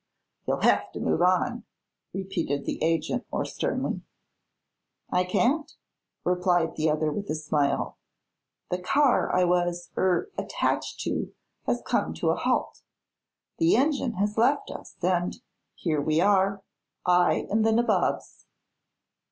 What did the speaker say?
"You'll hev to move on!" repeated the agent, more sternly. "I can't," replied the other with a smile. "The car I was er attached to has come to a halt. The engine has left us, and here we are, I and the nabobs."